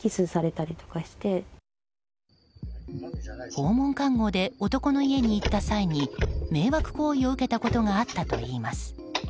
訪問看護で男の家に行った際に迷惑行為を受けたことがあったといいます。